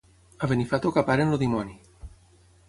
A Benifato caparen el dimoni.